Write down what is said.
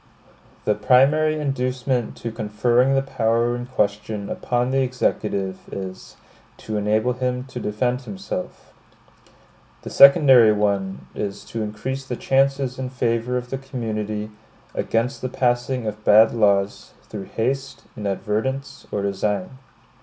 The primary inducement to conferring the power in question upon the Executive is, to enable him to defend himself; the secondary one is to increase the chances in favor of the community against the passing of bad laws, through haste, inadvertence, or design.